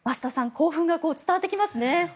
興奮が伝わってきますね。